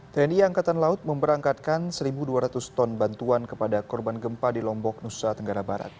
tni angkatan laut memberangkatkan satu dua ratus ton bantuan kepada korban gempa di lombok nusa tenggara barat